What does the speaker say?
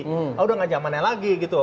ya udah nggak jamannya lagi gitu